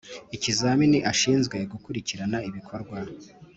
Ikizamini ashinzwe gukurikirana ibikorwa